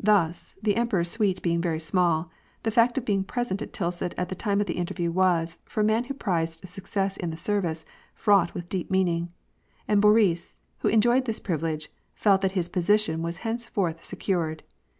Thus, the emperor's suite being very small, the fact of be ing present at Tilsit at the time of the interview was, for a man who prized success in the service, fraught with deep meaning ; and Boris, who enjoyed this privilege, felt that his position was henceforth secured.